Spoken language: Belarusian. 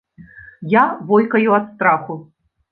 Я войкаю ад страху.